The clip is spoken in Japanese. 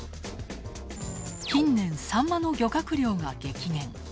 近年、さんまの漁獲量が激減。